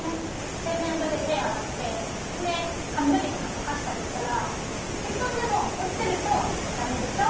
洗面所で手洗って髪の毛とかとかしたりしたら１本でも落ちてると「ダメでしょう。